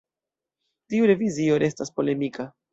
Tiu revizio restas polemika.